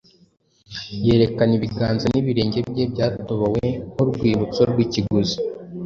yerekana ibiganza n’ibirenge bye byatobowe nk’urwibutso rw’ikiguzi